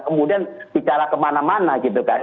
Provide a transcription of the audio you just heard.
kemudian bicara kemana mana gitu kan